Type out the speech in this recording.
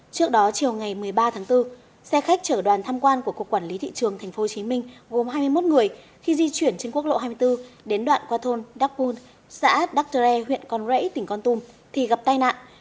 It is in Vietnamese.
trước đó chiều ngày một mươi ba tháng bốn xe khách chở đoàn tham quan của cục quản lý thị trường tp hcm gồm hai mươi một người khi di chuyển trên quốc lộ hai mươi bốn đến đoạn qua thôn đắk pun xã đắk tre huyện con rẫy tỉnh con tum thì gặp tai nạn